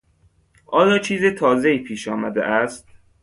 آیا چیز تازهای پیشآمده است؟